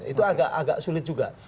itu agak sulit juga